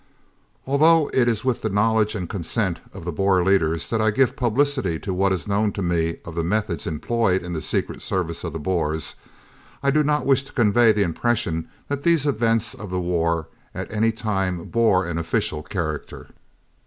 Although it is with the knowledge and consent of the Boer leaders that I give publicity to what is known to me of the methods employed in the Secret Service of the Boers, I do not wish to convey the impression that these events of the war at any time bore an official character.